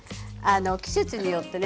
季節によってね